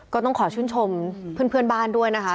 ก็ต้องขอชื่นชมเพื่อนบ้านด้วยนะคะ